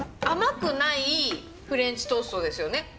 甘くないフレンチトーストですよね。